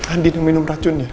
andin yang minum racunnya